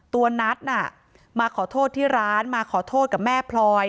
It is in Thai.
ตัวนัทน่ะมาขอโทษที่ร้านมาขอโทษกับแม่พลอย